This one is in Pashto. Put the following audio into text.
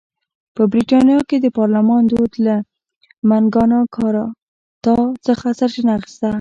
په برېټانیا کې د پارلمان دود له مګناکارتا څخه سرچینه اخیسته.